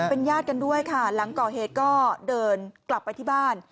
เป็นญาติกันด้วยค่ะหลังก่อเหตุก็เดินกลับไปที่บ้าน